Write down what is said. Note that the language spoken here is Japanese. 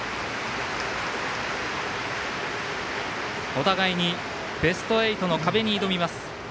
お互いにベスト８の壁に挑みます。